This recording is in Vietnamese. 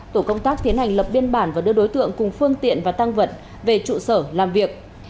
tổ công tác tiến hành lập biên bản và đưa đối tượng cùng phương tiện và tăng vật về trụ sở làm việc